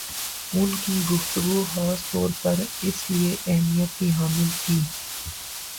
اُن کی گفتگو خاص طور پر اِس لیے اَہمیت کی حامل تھی